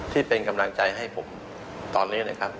ที่เป็นกำลังใจให้ผมตอนนี้นะครับ